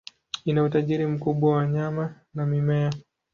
Ina utajiri mkubwa wa wanyama na mimea.